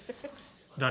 誰？